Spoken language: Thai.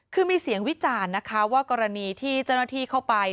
คือมีเสียงวิจารณ์นะคะว่ากรณีที่เจ้าหน้าที่เข้าไป